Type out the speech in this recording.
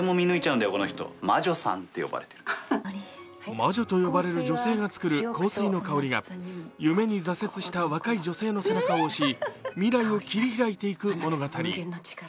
魔女と呼ばれる女性が創る香水の香りが、夢に挫折した若い女性の背中を押し未来を切り開いていく物語。